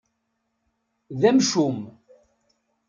D amcum.